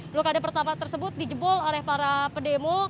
blokade pertama tersebut dijebol oleh para pedemo